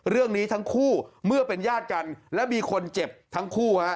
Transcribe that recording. เรื่องนี้ทั้งคู่เมื่อเป็นญาติกันและมีคนเจ็บทั้งคู่ฮะ